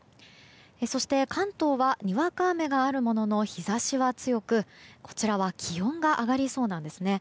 そして、関東はにわか雨があるものの日差しは強くこちらは気温が上がりそうなんですね。